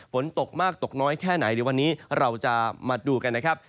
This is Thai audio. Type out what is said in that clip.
ฝนตกมากตกน้อยแค่ไหนวันนี้เราจะมาดูกัน